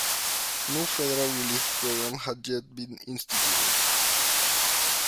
No federal relief program had yet been instituted.